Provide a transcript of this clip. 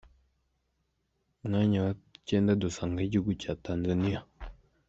Umwanya wa cyenda dusangaho igihugu cya Tanzania.